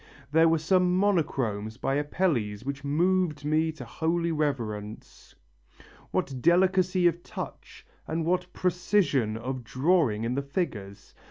There were some monochromes by Apelles which moved me to holy reverence. What delicacy of touch and what precision of drawing in the figures!